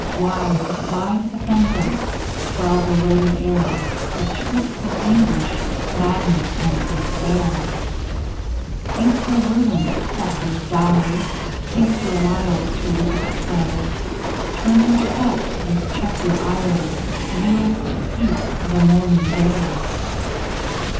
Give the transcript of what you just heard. Wide wide the phantoms swell the loaded air With shrieks of anguish madness and despair! Cease your ruin! spectres dire! Cease your wild terrific sway! Turn your steps and check your ire, Yield to peace the mourning day!